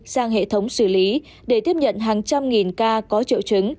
sang hệ thống xử lý để tiếp nhận hàng trăm nghìn ca có triệu chứng